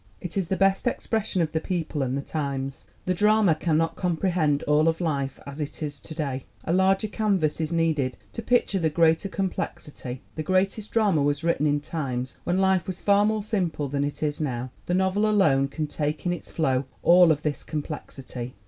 "It is the best expression of the people and the times. The drama cannot comprehend all of life as it is to day. A larger canvas is needed to picture the greater com plexity. The greatest drama was written in times when life was far more simple than it is now. The novel alone can take in its flow all of this complexity."